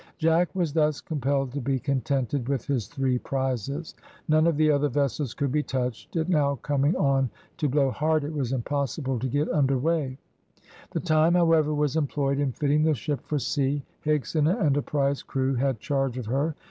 Jack was thus compelled to be contented with his three prizes, none of the other vessels could be touched. It now coming on to blow hard, it was impossible to get under weigh. The time, however, was employed in fitting the ship for sea; Higson and a prize crew had charge of her.